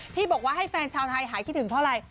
ที่บอกว่าให้แฟนชาวไทยหายคิดถึงเพราะอะไร